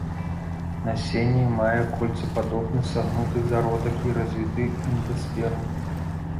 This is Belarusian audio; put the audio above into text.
Насенне мае кольцападобны сагнуты зародак і развіты эндасперм.